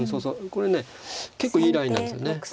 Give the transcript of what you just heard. これね結構いいラインなんですよね。